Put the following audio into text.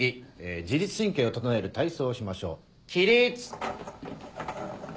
自律神経を整える体操をしましょう起立！